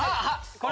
これ。